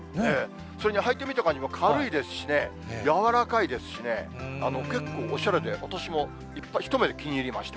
それに履いてみた感じも軽いですしね、軟らかいですしね、結構、おしゃれで、私も一目で気に入りました。